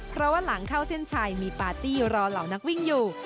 เพราะว่าหลังเข้าเส้นชัยมีปาร์ตี้รอเหล่านักวิ่งอยู่